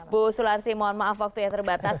mohon maaf waktu yang terbatas